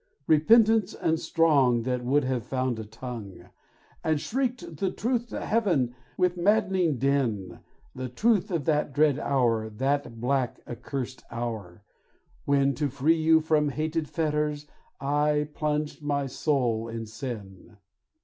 Repentance and strong, That would have found a tongue, And shrieked the truth to heaven with madd'ning din; The truth of that dread hour, That black accursed hour, When to free you from hated fetters, I plunged my soul in sin.